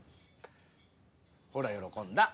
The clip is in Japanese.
ほら喜んだ。